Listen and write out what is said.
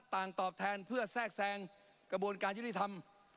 ตอบแทนเพื่อแทรกแทรงกระบวนการยุติธรรม